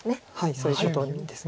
そういうことです。